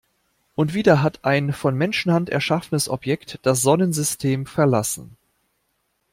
Und wieder hat ein von Menschenhand erschaffenes Objekt das Sonnensystem verlassen.